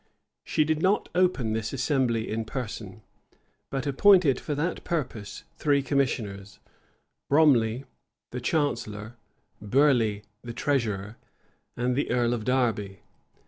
She did not open this assembly in person, but appointed for that purpose three commissioners, Bromley, the chancellor, Burleigh, the treasurer, and the earl of Derby.